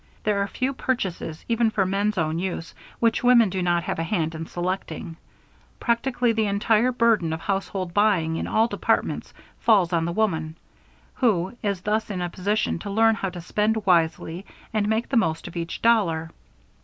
There are few purchases, even for men's own use, which women do not have a hand in selecting. Practically the entire burden of household buying in all departments falls on the woman, who is thus in a position to learn how to spend wisely and make the most of each dollar.